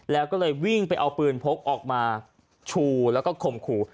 แล้วก็เลยวิ่งไปเอาปืนพกออกมาชูแล้วก็ข่มขู่